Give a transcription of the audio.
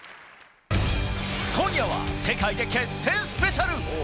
今夜は世界で決戦スペシャル。